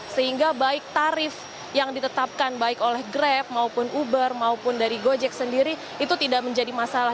sehingga baik tarif yang ditetapkan baik oleh grab maupun uber maupun dari gojek sendiri itu tidak menjadi masalah